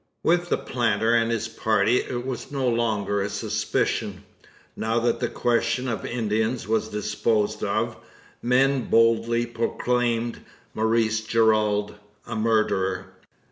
With the planter and his party it was no longer a suspicion. Now that the question of Indians was disposed of, men boldly proclaimed Maurice Gerald a murderer.